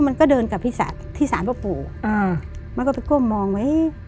มันก็เดินกับพี่สารพ่อปู่มันก็ไปก้มมองไว้